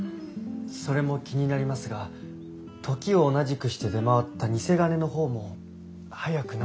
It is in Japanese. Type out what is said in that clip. それも気になりますが時を同じくして出回った贋金のほうも早くなんとかしないと。